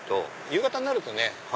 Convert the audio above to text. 夕方になるとね